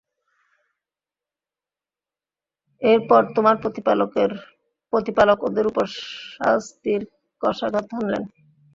এরপর তোমার প্রতিপালক ওদের উপর শাস্তির কষাঘাত হানলেন।